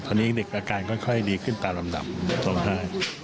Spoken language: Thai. ตอนนี้เด็กอาการค่อยดีขึ้นตามลำดำ